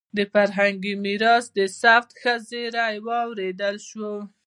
د فرهنګي میراث د ثبت ښه زېری واورېدل شو.